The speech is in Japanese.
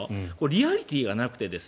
リアリティーがなくて。